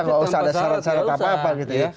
nggak usah ada syarat syarat apa apa gitu ya